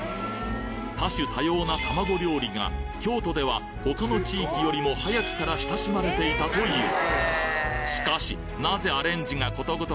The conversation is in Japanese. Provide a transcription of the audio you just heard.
多種多様な卵料理が京都では他の地域よりも早くから親しまれていたという